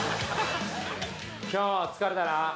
今日も疲れたな。